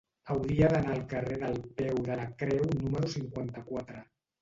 Hauria d'anar al carrer del Peu de la Creu número cinquanta-quatre.